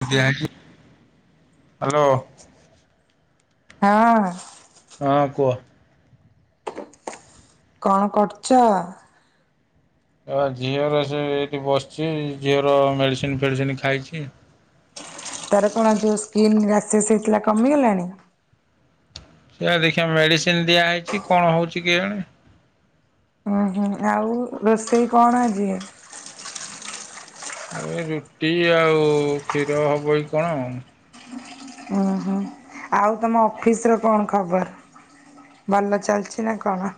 [unintelligible] Hello ହଁ। ହଁ କୁହ। କଣ କରୁଚ? ଏ ଝିଅର ସେ ଏଇଠି ବସିଚି ଏ ଝିଅର ମେଡ଼ିସିନ ଫେଡ଼ିସିନ ଖାଇଛି। ତର କଣ ଯେଉଁ ସ୍କିନ୍ ଗ୍ୟାସେସ୍ ହେଇଥିଲା କମିଗଲାଣି? ସେଆ ଦେଖିଆ ମେଡିସିନ ଦିଆ ହେଇଚି କଣ ହଉଛି କେଆଣି। ଉୁଁ ହୁଁ ଆଉ ରୋଷେଇ କଣ ଆଜି? ଏ ରୁଟି ଆଉ କ୍ଷୀର ହେବ କି କଣ। ଓହୋ ଆଉ ତମ ଅଫିସ ର କଣ ଖବର? ଭଲ ଚାଲିଚି ନା କଣ?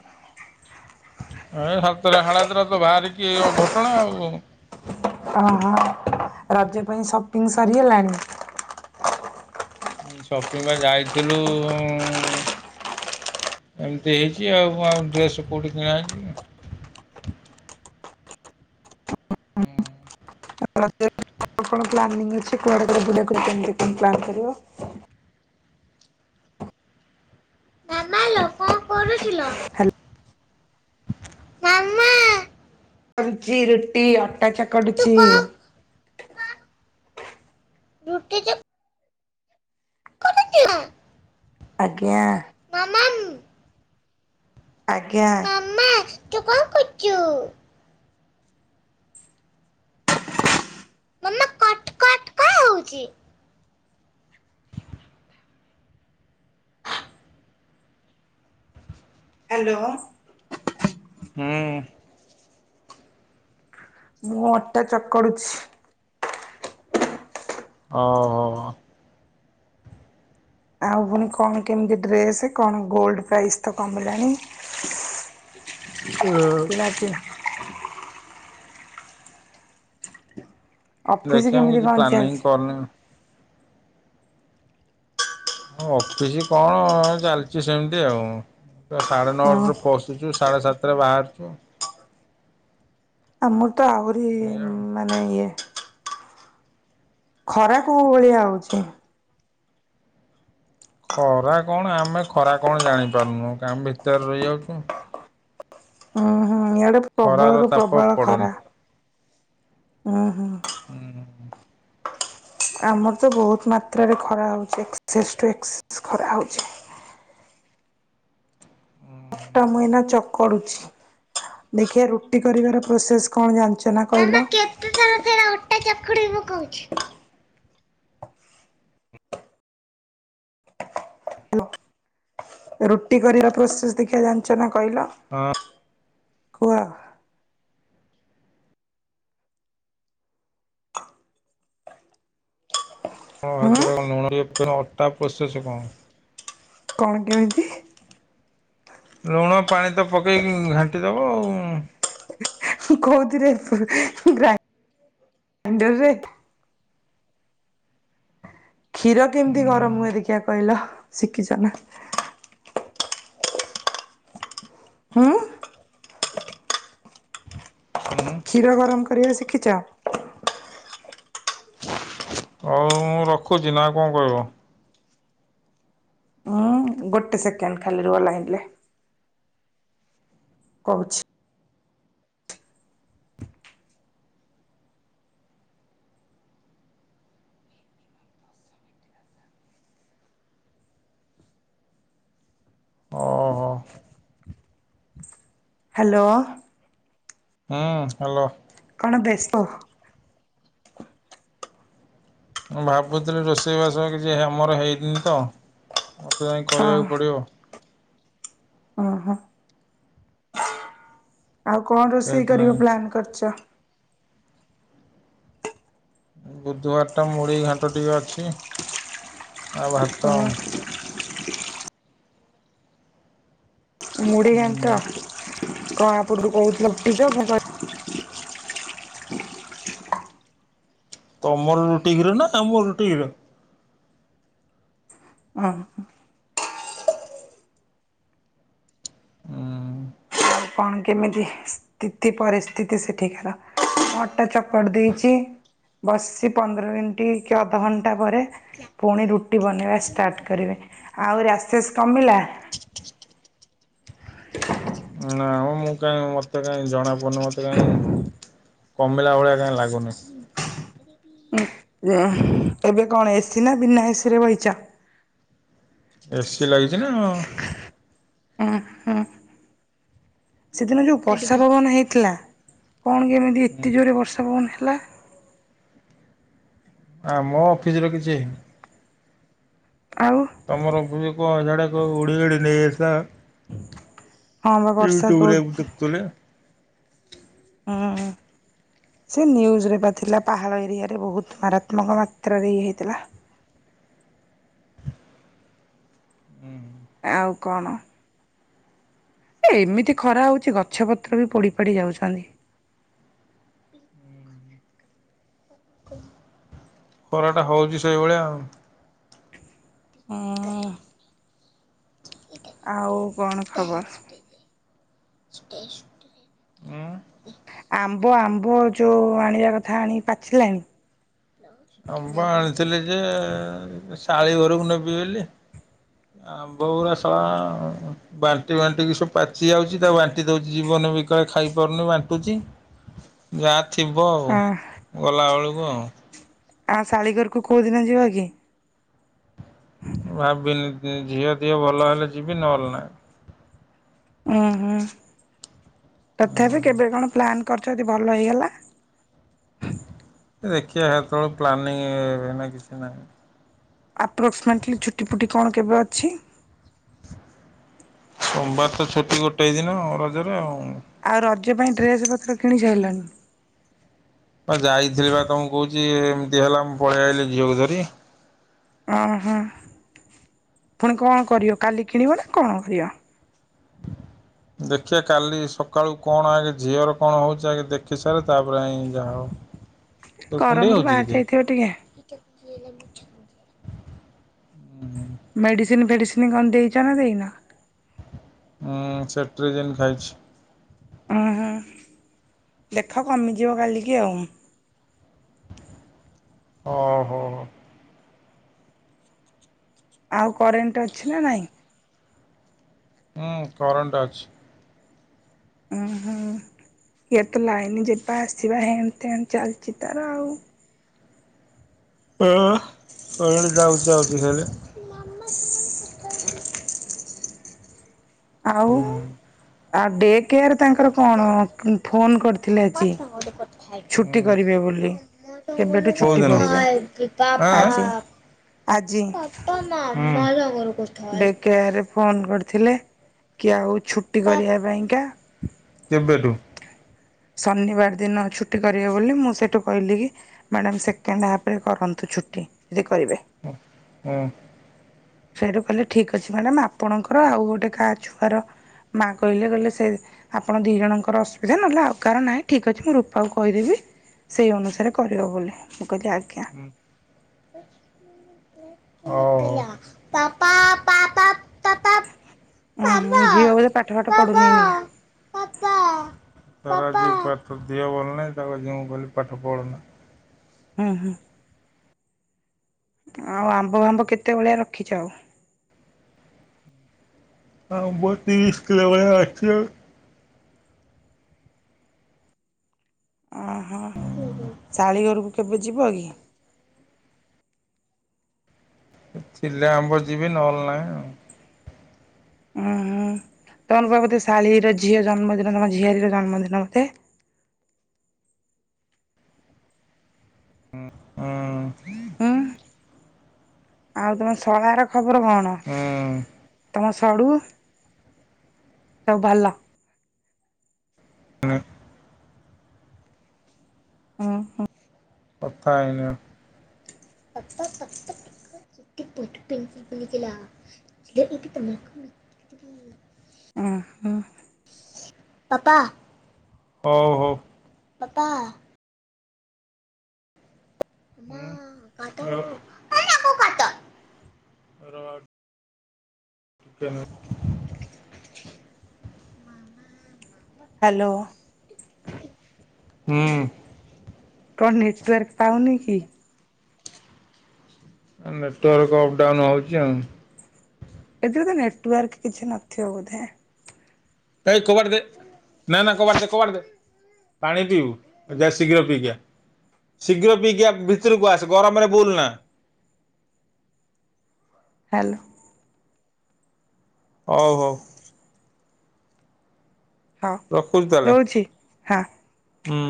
ଏ ସାତଟା [unintelligible] ହାଡ଼ାତରାା ତ ବାହାରିକି ଅଘଟଣା ଆଉ ଅ ହ ରଜ ପାଇଁ ସପିଂ ସରି ହେଲାଣି? ସପିଙ୍ଗ୍ ବା ଯାଇଥିଲୁ ଏମିତି ହେଇଚି ଆଉ ଆଉ ଡ୍ରେସ୍ କେଉଁଠି କିଣାଚି। ହୁଁ। [unintelligible] ପ୍ଲାନିଗ୍ ଅଛି କୁଆଡେ କଡେ ବୁଲ କେମତି ପ୍ନ୍ କରିବ ମା ମା ଲୋ କଣ କରୁଚୁଲୋ ହାଲୋ ମା ମା? କରୁଚି ରୁଟି ଅଟା ଚକଡୁଚି। ରଠି କିଉ କରୁଚିନା ଆଜ୍ଞା। ମା ମା ମ୍ ଆଜ୍ଞା। ମା ମା ତୁ କଣ କରୁଚୂ? ମା ମା କଟ କଟ କଣ ହଉଚି? ହାଲୋ ହୁଁ। ମୁଁ ଅଟା ଚକଡୁଚି। ଓହୋ। ଆଉ ପୁଣି କଣ କେମିତି ଡ୍ରେସ୍ କଣ ଗୋଲଡ ପ୍ରାଇସ୍ ତ କମିଲାଣି। କିନାକ [unintelligible] ଅଫିସ୍ ଦେଖିଆ ମୁଁ କେମିତି କିଛି କଣ ପ୍ଲାନିଂ ଚାଲିଛି? କନିଇ। ହ ଅଫିସ କଣ ଚାଲିଛି ସେମିତି ଆଉ। ତ ସାଢ଼େ ହୁଁ ନଅଟାରୁ ପଶୁଚୁ ସାଢ଼େ ସାତଟରେ ବାହାରୁଚୁ। ଆମର ତ ଆହୁରି ଏଇଆ ଆଉ। ମାନେ ଇଏ। ଖରା କୋଉ ଭଳିଆ ହଉଛି? ଖରା କଣ ଆମେ ଖରା କଣ ଜାଣିପାରୁନୁ କାମ ଭିତରେ ରହିଯାଉଛୁ। ହୁଁ ହୁଁ ଇଆଡେ ଖରାର ପ୍ରବଳରୁୁ ତାପ ପ୍ରବଳ ପଡ଼ୁନି। ଖରା। ହୁଁ, ହୁଁ। ଆମର ତ ବହୁତ ମାତ୍ରାରେ ଖରା ହେଉଛି ଏକ୍ସେସ୍ ଟୁ ଏକ୍ସେସ୍ ଖରା ହେଉଛି। ଅଠ ମୁଁ ଏଇନା ଚକଡୁଛି ଦେଖିିବା ରୁଟି କରିବାର ପ୍ରୋସେସ କଣ ଜାଣିଛୁ? ସେନା କିଲ [unintelligible] ତ ସେ ଅଟା ଚକୁଡି ମୁଁ କହୁଛି [unintelligible] ହେଲୋ! ରୁଟି କରିବା ପ୍ରୋସେସ ଦେଖିବା ଜାଣିଛ ନା କହିଲ? ହଁ କୁହ? ହୁଁ ହଁର ଲୁଣ ଅଟା ପଶଛ କଣ [unintelligible] କଣ କେମିତି? ଲୁଣ ପାଣି ତ ପକେଇକି ଘାଣ୍ଟି ଦବ ଉଁ। କହୁଥିରେ ଗା ଗ୍ରାଇଣ୍ଡର ରେ? କ୍ଷୀର କେମିତି ଗରମ ହୁଏ ଦେଖିିବା କହିଲ? ଶିଖିଛ ନା। ହଁ। ହୁଁ। କ୍ଷୀର ଗରମ କରିବା ଶିଖିଛ। ହଉ ମୁଁ ରଖୁଛି ନା ଆଉ କଣ କହିବ? ଉଁ ଗୋଟେ ସେକେଣ୍ଡ ଖାଲି ରୁହ ଲାଇନ୍ ରେ। କହୁଛି। ଓ, ହୋ। ହ୍ୟାଲୋ। ହୁଁ ହ୍ୟାଲୋ। କଣ ବ୍ୟସ୍ତ? ମୁଁ ଭାବୁଥିଲି ରୋଷେଇ ବାସ ହେ କିଛି ମୋର ହେଇନି ତ ମୋତେ ଯାଇ କରିବାକୁ ପଡ଼ିବ। ହଁ [unintelligible] ହଁ ଆଉ କଣ ରୋଷେଇ ଯାଇତି କରିବ ନାହିଁ ପ୍ଲାନ୍ କରିଛ? ବୁଧବାର ଟା ମୁଢି ଘାଣ୍ଟ ଟିକେ ଅଛି। ଆଉ ଭାତ ହୁଁ ମୁଢି ଘାଣ୍ଟ କଣ ଆପଣ କହୁଥିଲେ ରୁଟି ଦିଅ ଘାଣ୍ଟ? ତମର ରୁଟିି କ୍ଷୀର ନା ଆମ ରୁଟି କ୍ଷୀର। ହଁ। ହଁ [unintelligible] ଆଉ କଣ କେମିତି ସ୍ଥିତି ପରିସ୍ଥିତି ସେଠିକାର ଅଟା ଚପ [unintelligible] କରି ଦେଇଛି ବସିଛି ପନ୍ଦର ମିନିଟ କି ଅଧଘଣ୍ଟା ପରେ ପୁଣି ରୁଟି ବନେଇବା ଷ୍ଟାର୍ଟ କରିବେ। ଆଉ ରାସେସ୍ କମିଲା? ନା ମୁଁ କାଇଁ ମତେ କାଇହିଁ ଜଣା ପଡୁନି। ମତେ କାଇଁ କମିଲା ଭଳିଆ କାଇଁ ଲାଗୁନି। ଉ ଏବେ କଣ ଏସିି ନା ବିନା ଏସି ରେ ବଇଚ? ଏସି ଲାଗିଛି ନା ଅ। ହଁ ହଁ [unintelligible] ସେଦିନ ଯୋଉ ବର୍ଷା ପବନ ହେଇଥିଲା କଣ କେମିତି ଏତେ ଜୋରରେ ବର୍ଷା ପବନ ହେଲା? ଆମ ଅଫିସ ର କିଛି ହେଇନି। ଆଉ। ତମର ପୂ କଣ ଜାଡେ କ ଉଡି ଉଡି ନେଇସ ହଁ ବା [unintelligible] ବର୍ଷା ୟୁଟିୁବରେୁ ବହୁତ ଦେକହୁଥିଲେ। ହଁ। ସେ ନ୍ୟୁଜ୍ରରେ ବା ଥିଲା ପାହାଡ଼ ଏରିଆରେ ବହୁତ ମାରାତ୍ମକ ମାତ୍ରାରେ ଇଏ ହେଇଥିଲା। ହୁଁ। ଆଉ କଣ? ଏମିତି ଖରା ହଉଛି ଗଛ ପତ୍ର ବି ପୋଡି ପାଡି ଯାଉଛନ୍ତି। ପରଟା ହଉଛି ସେଇଭଳିଆ ଆଉ। ହଁ। ଆଉ କଣ ଖବର? ସ୍ଟ [unintelligible] ଆମ୍ବ ଆମ୍ବ ଯେଉଁ ଆଣିବା କଥା ଆଣିକି ପାଚିଲାଣି। ଆମ୍ବ ଆଣିଥିଲେ ଯେ ଶାଳୀ ଘରକୁ ନେବି ବେଲି ବଉରାଶ [unintelligible] ବାଣ୍ଟି ବାଣ୍ଟିିକି ସବୁ ପାଚି ଯାଉଛି ତା ବାଣ୍ଟି ଦଉଛି ଜୀବନ ବି କଳେ ଖାଇ ପାରୁନି ବାଣ୍ଟୁଛି। ଯାହା ଥିବ ଆଉ ହଁ ଗଲାବେଳକୁ ଆଉ। ଆ ଶାଳିଘରକୁ କେଉଁଦିନ ଯିବ କି? ଭାବିନି ଝିଅ ଦିହ ଭଲ ହେଲେ ଯିବି ନହେଲ ନାହିଁ। ଉୁଁ ହୁଁ ତଥାପି କେବେ କଣ ପ୍ଲାନ୍ କରିଛନ୍ତି ଭଲ ହେଇଗଲା ଏ ଦେଖିବା ଯେତେବେଳୁ ପ୍ଲାନିଂ ନା କିଛି ନାହିଁ। ଆପ୍ରୋକ୍ସିମେଟଲି ଛୁଟି ଫୁଟି କଣ କେବେ ଅଛି? ସୋମବାର ତ ଛୁଟି ଗୋଟେ ଦିନ ରଜରେ ଆଉ। ଆଉ ରଜ ପାଇଁ ଡ୍ରେସ ପତ୍ର କିଣି ସାରିଲଣି। ଆ ଯାଇଥିଲି ବା ତମକୁ କହୁଛି ଏମିତି ହେଲା ମୁଁ ପଳେଇ ଆଇଲିି ଝିଅକୁ ଧରି। ଅ ହଁ ପୁଣି କଣ କରିବ କାଲି କିଣିବ ନା କଣ କରିବ? ଦେଖିବା କାଲି ସକାଳୁ କଣ ଆଗେ ଝିଅର କଣ ହଉଛି ଆଗେ ଦେଖି ସାର ତାପରେ ଆ ଯାହା ହବ। ତ କୁଣ୍ଡେଇ ଗରମରୁ ହଉଛି ବାହାରି କି ଯାଇଥିବ ଟିକେ ଦେଅ। ମେଡିସିନ ଫେଡିସିନ କଣ ଦେଇଛ ନା ଦେଇନ। ହୁଁ ସେଟ୍ରଜିନ ଖାଇଛି। ହୁଁ ହୁଁ ଦେଖ କମିଯିବ କାଲିକି ଆଉ। ଓଁ ହୋ। ଆଉ କରେଣ୍ଟ ଅଛି ନା ନାଇଁ। ହୁଁ କରେଣ୍ଟ ଅଛି। ଓ ହୁଁ ଇଏ ତ ଲାଇନ ଯିବା ଆସିବା ହେମତି ଚାଲିଛି ତାର ଆଉ। ହ କଣି ଯାଉଛି ଆଉ ଦେଖାଇଲେ [unintelligible] ହମାନ [unintelligible] [inaudible] ଆଉ ହୁଁ। ଆଉ ଡେ କେୟାର୍ ତାଙ୍କର କଣ ଫୋନ୍ କରିଥିଲେ ଆଜି ଛୁଟି କରିବେ ବୋଲି। କେବେଠୁ ଛୁଟି କୋଉଦିନ? ଆଁ କରିବେ ଆଜି ଆଜି। ମା ମଜା ଘର କରଛ [unintelligible] ଡେକେୟାରରେ ଫୋନ୍ କରିଥିଲେ କି ଆଉ ଛୁଟି କରିବା ପାଇଁ କା। କେବେଠୁ। ଶନିବାର ଦିନ ଛୁଟି କରିବେ ବୋଲି ମୁଁ ସେଇଠୁ କହିଲି କି ମ୍ୟାଡ଼ାମ୍ ସେକେଣ୍ଡ ହାଫ୍ରେ କରନ୍ତୁ ଛୁଟି ଯଦି କରିବେ ହୁଁ ସେଇଠୁ କହିଲେ ଠିକ୍ ଅଛି ମ୍ୟାଡ଼ାମ୍ ଆପଣଙ୍କର ଆଉ ଗୋଟେ କା ଛୁଆର ମାଆ କହିଲେ କହିଲେ ସେ ଆପଣ ଦି ଜଣଙ୍କର ଅସୁବିଧା ନହେଲେ ଆଉ କାହାର ନାହିଁ ଠିକ୍ ଅଛି ମୁଁ ରୂପାଙ୍କୁ କହିଦେବି। ସେଇ ଅନୁସାରେ କରିବ ବୋଲି ମୁଁ କହିଲି ଆଜ୍ଞା। ହୁଁ ଆ ତା ପା ପା ପା ପା ପାପା। ଉୁଁ ଝିଅ ବୋଧେ ପାଠ ପାଠ ପଢୁନି ଏଇନିକା। ପାପା ତାର ପାଠ ଦିହ ଭଲ ନାହିଁ ତାକୁ ଯି କହିଲି ପାଠ ପଢନା। ହୁଁ ହୁଁ ଆଉ ଆମ୍ବ ଫାମ୍ବ କେତେ ଭଳିଆ ରଖିଛ। ଆମ୍ବ ତିରିଶ କିଲୋ ଭଳିଆ ଅଛିି ଆଉ। ଓହ ଶାଳିଘରକୁ କେବେ ଯିବ କି? ଥିଲେ ଆମ୍ବ ଯିବି ନହେଲେ ନାହିଁ ଆଉ। ଉଁ ତମର ବା ବୋଧେ ଶାଳୀର ଝିଅ ଜନ୍ମଦିନ ତମ ଝିଆରୀ ର ଜନ୍ମଦିନ ବୋଧେ। ଉ ଉଁ। ଅଁ ଆଉ ତମ ଶଳାର ଖବର କଣ? ହୁଁ ହୁଁ। ତମ ସଡୁ ସବୁ ଭଲ? ତ ହୁଁ କଥା ହେଇନି ଆଉ। [unintelligible] ଓ ହ ପାପା ହ ହଉ ପାପା। [unintelligible] କେନ ହ୍ୟାଲୋ। ହୁଁ କଣ ନେଟୱାର୍କ ପାଉନି କି? ନେଟୱାର୍କ ଅପ୍ ଡାଉନ୍ ହେଉଛି ଆଉ। ଏଥିରେ ତ ନେଟୱାର୍କ କିଛି ନଥିବ ବୋଧେ। ଏଇ କବାଟ ଦେ ନା ନା କବାଟ ଦେ କବାଟ ଦେ। ପାଣି ପିଇବୁ ଯାହା ଶୀଘ୍ର ପିଇକି ଆ। ଶୀଘ୍ର ପିଇକି ଭିତରକୁ ଆସ ଗରମରେ ବୁଲ ନା। ହ୍ୟାଲୋ। ହଉ ହଉ ହଁ ରଖୁଛି ତାହେଲେ ରହୁଛି ହଁ। ହୁଁ।